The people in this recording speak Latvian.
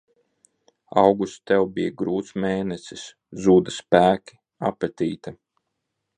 Augusts Tev bija grūts mēnesis – zuda spēki, apetīte.